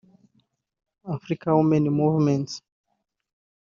African Women Movements